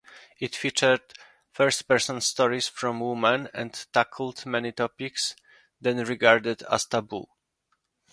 It featured first-person stories from women, and tackled many topics then regarded as taboo.